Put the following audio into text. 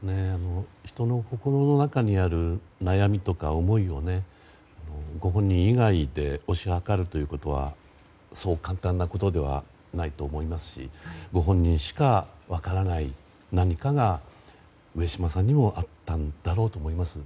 人の心の中にある悩みとか思いをご本人以外で推し量ることはそう簡単なことではないと思いますしご本人しか分からない何かが上島さんにもあったんだろうと思います。